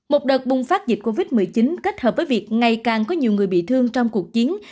một đợt bùng phát dịch covid một mươi chín kết hợp với việc ngày càng có nhiều người bị thương trong cuộc chiến